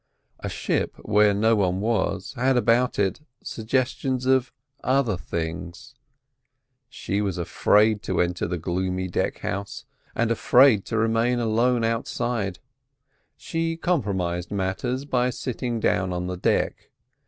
A ship where no one was had about it suggestions of "other things." She was afraid to enter the gloomy deck house, and afraid to remain alone outside; she compromised matters by sitting down on the deck.